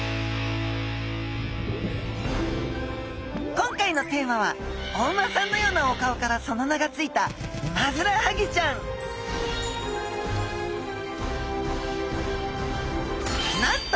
今回のテーマはお馬さんのようなお顔からその名がついたなんと！